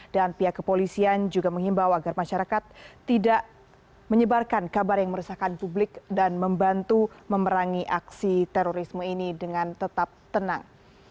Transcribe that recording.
dan pihak kepolisian juga menghimbau agar masyarakat tidak menyebarkan kabar yang meresahkan publik dan membantu memerangi aksi terorisme ini dengan tetap tenang